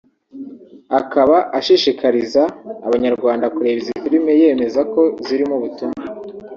akaba ashishikariza Abanyarwanda kureba izi filime yemeza ko zirimo ubutumwa